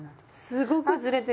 すごくずれてる！